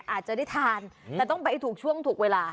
อาจจะได้ทานแต่ต้องไปถูกช่วงถูกเวลา